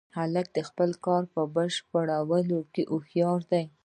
هلک د خپل کار په بشپړولو کې هوښیار دی.